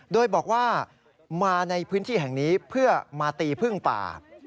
โดยบอกว่ามาในพื้นที่แห่งนี้เพื่อมาตีพึ่งป่า